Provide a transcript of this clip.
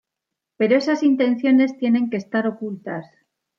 Pero esas intenciones tienen que estar ocultas.